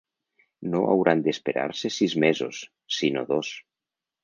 No hauran d’esperar-se sis mesos, sinó dos.